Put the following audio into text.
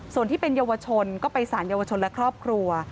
ส่วนที่เป็นเยาวชนก็ไปสารเยาวชนและครอบครัว